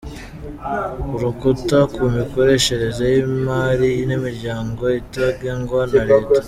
Urukuta ku mikoreshereze y’imari y’imiryango itagengwa na Leta